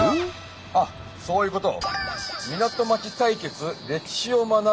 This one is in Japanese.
あっそういうこと。